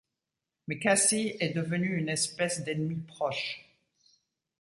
Mais Cassie est devenue une espèce d'ennemie proche.